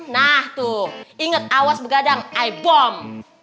nah tuh inget awas begadang i bom